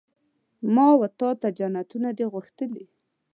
ما وتا ته جنتونه دي غوښتلي